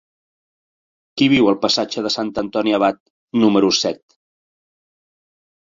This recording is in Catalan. Qui viu al passatge de Sant Antoni Abat número set?